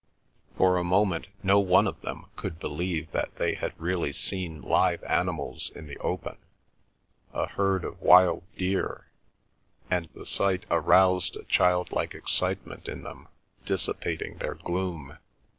For a moment no one of them could believe that they had really seen live animals in the open—a herd of wild deer, and the sight aroused a childlike excitement in them, dissipating their gloom.